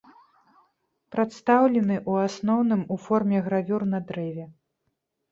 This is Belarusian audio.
Прадстаўлены, у асноўным, у форме гравюр на дрэве.